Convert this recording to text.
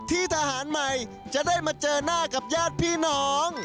ที่ทหารใหม่จะได้มาเจอหน้ากับญาติพี่น้อง